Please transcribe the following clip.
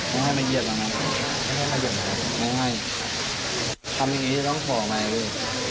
ทำอย่างนี้จะต้องขอใหม่เลย